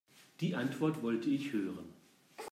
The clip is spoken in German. Die Antwort wollte ich hören.